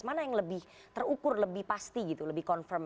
mana yang lebih terukur lebih pasti gitu lebih confirm